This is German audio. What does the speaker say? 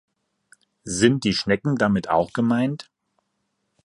Sind die Schnecken damit auch gemeint?